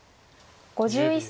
５１歳。